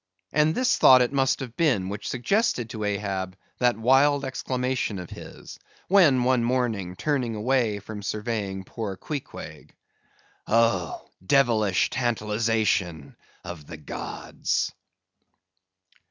And this thought it must have been which suggested to Ahab that wild exclamation of his, when one morning turning away from surveying poor Queequeg—"Oh, devilish tantalization of the gods!"